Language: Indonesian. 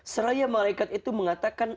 seraya malaikat itu mengatakan